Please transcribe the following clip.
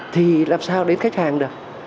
thì làm sao đến khách hàng được